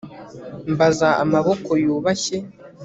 mbaza amaboko yubashye